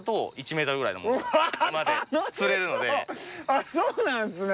あっそうなんですね。